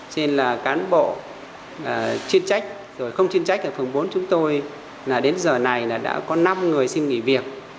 cho nên là cán bộ chuyên trách rồi không chuyên trách ở phường bốn chúng tôi là đến giờ này là đã có năm người xin nghỉ việc